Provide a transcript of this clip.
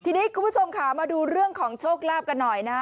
ทีนี้คุณผู้ชมค่ะมาดูเรื่องของโชคลาภกันหน่อยนะ